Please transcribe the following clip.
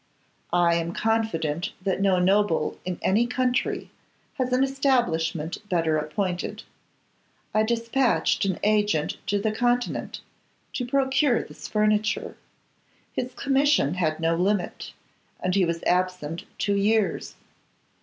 I am confident that no noble in any country has an establishment better appointed. I despatched an agent to the Continent to procure this furniture: his commission had no limit, and he was absent two years.